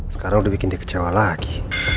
sekarang udah bikin dia kecewa lagi